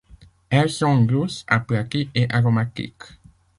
Elles sont douces, aplaties et aromatiques.